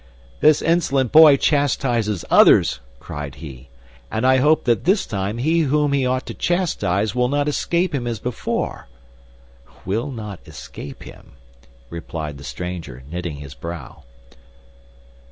"This insolent boy chastises others," cried he; "and I hope that this time he whom he ought to chastise will not escape him as before." "Will not escape him?" replied the stranger, knitting his brow.